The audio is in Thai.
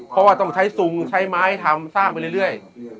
เพราะว่าต้องใช้ซุงใช้ไม้ทำสร้างไปเรื่อย